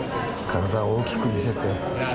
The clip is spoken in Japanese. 体を大きく見せて。